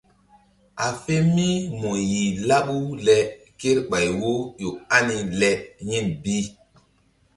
A fe mí mu yih laɓu le kerɓay wo ƴo ani le yin bi.